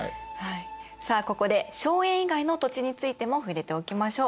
さあここで荘園以外の土地についても触れておきましょう。